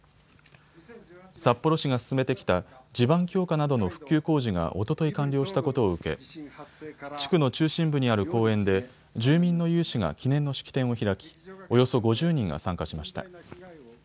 札幌市が進めてきた地盤強化などの復旧工事がおととい完了したことを受け地区の中心部にある公園で住民の有志が記念の式典を開き、およそ５０人が参加しました。